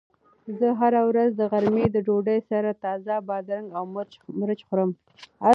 زه هره ورځ د غرمې د ډوډۍ سره تازه بادرنګ او مرچ خورم.